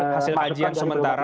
hasil kajian sementara